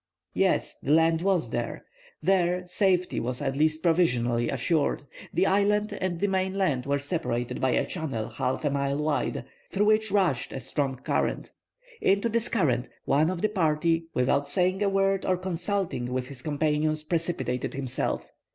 Yes, the land was there! There, safety was at least provisionally assured. The island and the main land were separated by a channel half a mile wide, through which rushed a strong current. Into this current one of the party, without saying a word or consulting with his companions, precipitated himself.